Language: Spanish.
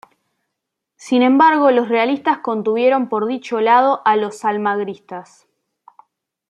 Sin embargo los realistas contuvieron por dicho lado a los almagristas.